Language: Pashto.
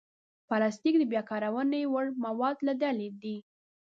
پلاستيک د بیا کارونې وړ موادو له ډلې دی.